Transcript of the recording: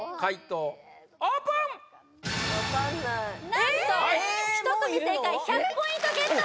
何と１組正解１００ポイントゲット